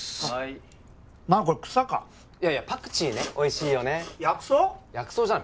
はい何これ草かいやいやパクチーねおいしいよね薬草？